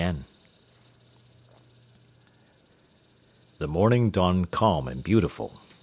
X The morning dawned calm and beautiful.